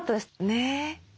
ねえ。